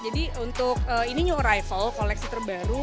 jadi untuk ini new arrival koleksi terbaru